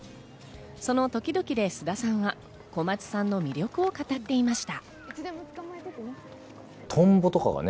その時々で菅田さんは小松さんの魅力を語っていました。